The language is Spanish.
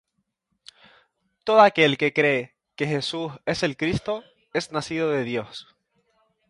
todo aquel que cree que Jesús es el Cristo, es nacido de Dios: